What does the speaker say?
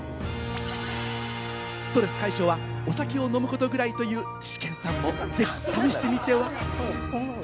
ストレス解消はお酒を飲むことぐらいというイシケンさんもぜひ試してみては？